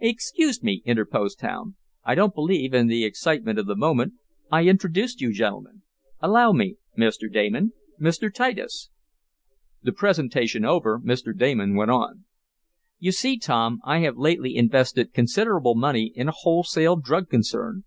"Excuse me," interposed Tom, "I don't believe, in the excitement of the moment, I introduced you gentlemen. Allow me Mr. Damon Mr. Titus." The presentation over, Mr. Damon went on: "You see, Tom, I have lately invested considerable money in a wholesale drug concern.